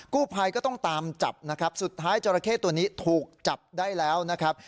กู้ภัยก็ต้องตามจับนะครับสุดท้ายจราเข้ตัวนี้ถูกจับได้แล้วนะครับ